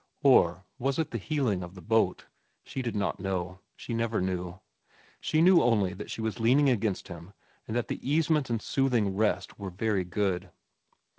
Or was it the heeling of the boat? She did not know. She never knew. She knew only that she was leaning against him and that the easement and soothing rest were very good.